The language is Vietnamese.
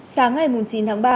sáng ngày chín tháng ba